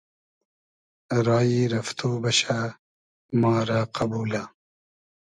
رایی رئفتۉ بئشۂ ما رۂ قئبولۂ